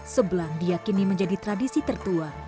sebelang diakini menjadi tradisi tertua